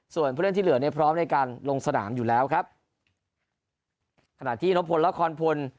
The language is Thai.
ส่วนเพื่อนที่เหลือเนี้ยพร้อมด้วยการลงสนามอยู่แล้วครับขณะที่อินโภนแล้วคอนพล